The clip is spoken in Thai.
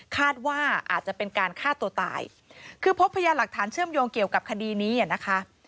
คาดว่าอาจจะเป็นการฆ่าตัวตายคือพบพยานหลักฐานเชื่อมโยงเกี่ยวกับคดีนี้นะคะ